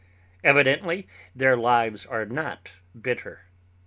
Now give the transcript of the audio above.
Evidently their lives are not bitter.